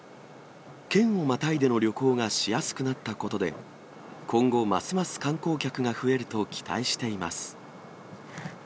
県をまたいでの旅行がしやすくなったことで、今後、ますます観光客が増えると期待しています。